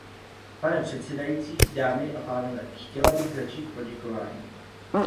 Pane předsedající, dámy a pánové, chtěla bych začít poděkováním.